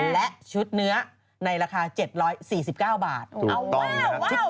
และชุดเนื้อในราคา๗๔๙บาท